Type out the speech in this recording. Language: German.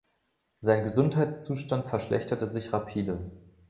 Sein Gesundheitszustand verschlechterte sich rapide.